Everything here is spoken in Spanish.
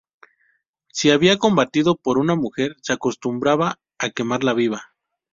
Si había combatido por una mujer, se acostumbraba a quemarla viva.